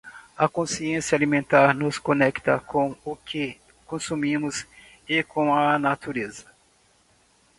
A consciência alimentar nos conecta com o que consumimos e com a natureza.